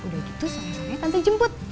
udah gitu soalnya tante jemput